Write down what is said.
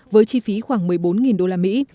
với chi phí khoảng một mươi bốn đô la mỹ